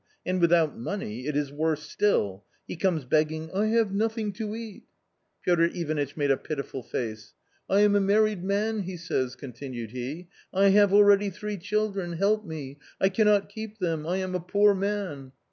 and without money, it is worse still ; he comes begging, ' I have nothing to eat '!" Piotr Ivanitch made a pitiful face. "* I am a married man,' he says," continued he. "' I have already three children, help me, I cannot keep them, I am a poor man